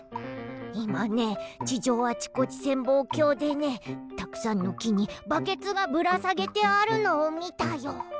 いまね地上あちこち潜望鏡でねたくさんのきにバケツがぶらさげてあるのをみたよ。